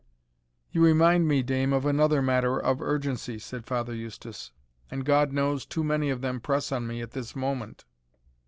"You remind me, dame, of another matter of urgency," said Father Eustace; "and, God knows, too many of them press on me at this moment.